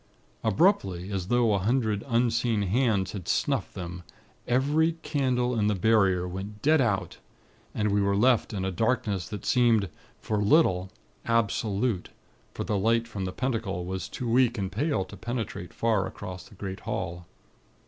"Abruptly, as though a hundred unseen hands had snuffed them, every candle in the Barrier went dead out, and we were left in a darkness that seemed, for a little, absolute; for the light from the Pentacle was too weak and pale to penetrate far across the great hall.